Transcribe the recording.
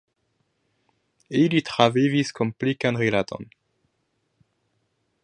Ili travivis komplikan rilaton.